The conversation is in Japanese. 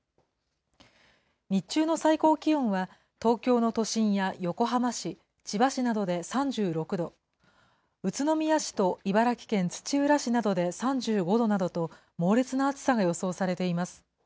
日中の最高気温は、東京の都心や横浜市、千葉市などで３６度、宇都宮市と茨城県土浦市などで３５度などと、猛烈な暑さが予想されています。